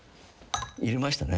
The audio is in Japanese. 入れましたね。